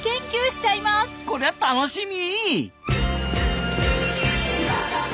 こりゃ楽しみ！